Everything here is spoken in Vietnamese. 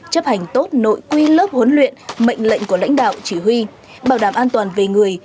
chấp hành tốt nội quy lớp huấn luyện mệnh lệnh của lãnh đạo chỉ huy bảo đảm an toàn về người